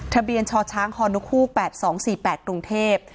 ทะเบียนชชฮูก๘๒๔๘กรุงเทพ